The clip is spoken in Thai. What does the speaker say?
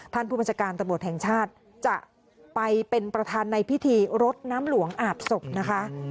ผู้บัญชาการตำรวจแห่งชาติจะไปเป็นประธานในพิธีรดน้ำหลวงอาบศพนะคะ